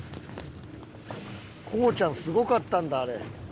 コウちゃんすごかったんだあれ。